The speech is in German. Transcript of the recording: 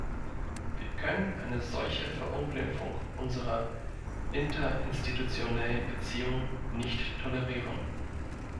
Wir können eine solche Verunglimpfung unserer interinstitutionellen Beziehungen nicht tolerieren.